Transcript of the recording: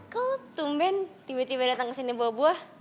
kalo tumpen tiba tiba dateng kesini buah buah